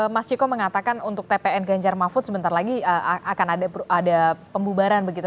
mas ciko mengatakan untuk tpn ganjar mahfud sebentar lagi akan ada pembubaran begitu